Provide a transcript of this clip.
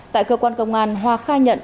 tại cơ quan công an hoa khai nhận